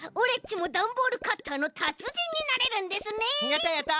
やったやった！